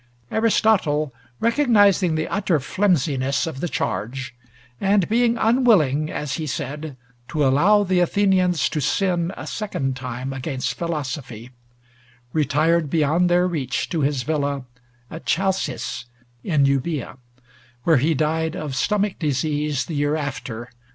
Aristotle, recognizing the utter flimsiness of the charge, and being unwilling, as he said, to allow the Athenians to sin a second time against philosophy, retired beyond their reach to his villa at Chalcis in Euboea, where he died of stomach disease the year after (322).